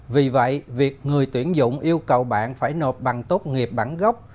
vì vậy việc người tuyển dụng yêu cầu bạn phải nộp bằng tốt nghiệp bản gốc